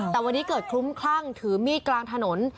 แต่วันนี้เกิดคลุ้มคลั่งถือมีดกลางถนน